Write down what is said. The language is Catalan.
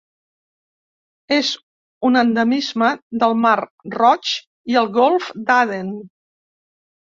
És un endemisme del mar Roig i el golf d'Aden.